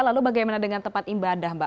lalu bagaimana dengan tempat ibadah mbak